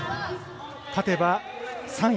勝てば３位。